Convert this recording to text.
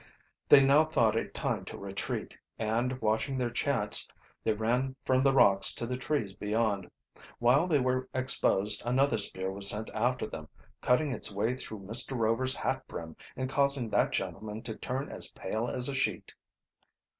They now thought it time to retreat, and, watching their chance, they ran from the rocks to the trees beyond. While they were exposed another spear was sent after them, cutting its way through Mr. Rover's hat brim and causing that gentleman to turn as pale as a sheet.